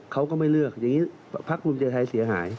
เขาก็ไม่เลือกอย่างนี้พักภูมิใจไทยเสียหาย